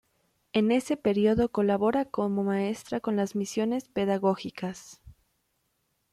En ese periodo colabora como maestra con las Misiones Pedagógicas.